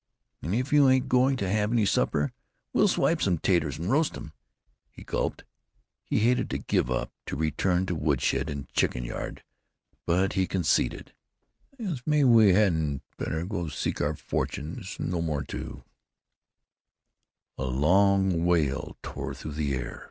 And if you ain't going to have any supper we'll swipe some 'taters and roast 'em." He gulped. He hated to give up, to return to woodshed and chicken yard, but he conceded: "I guess maybe we hadn't better go seek our fortunes no more to——" A long wail tore through the air.